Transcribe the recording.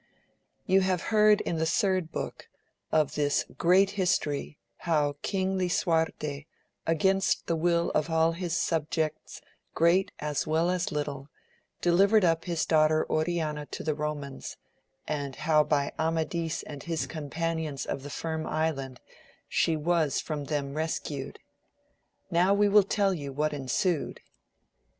OU have heard in the thkd book of this great history how King Lisuarte against the will of all his subjects great as well as little, de livered up his daughter Oriana to the Komans, and how by Amadis and his companions of the Firm Island she was from them rescued; now we will tell you what ensued.